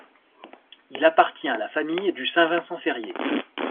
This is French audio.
Il appartient à la famille du saint Vincent Ferrier.